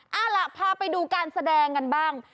เอาล่ะพาไปดูการแสดงกันบ้าง